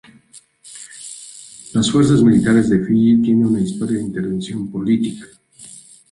La Fuerzas Militares de Fiyi tiene una historia de intervención política.